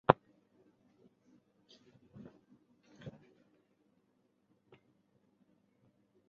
公司坐落于东京都。